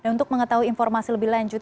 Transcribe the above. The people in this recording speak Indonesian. untuk mengetahui informasi lebih lanjut